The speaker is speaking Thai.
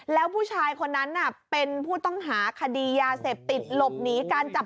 แล้วผู้ชายคนนั้นน่ะเป็นผู้ต้องหา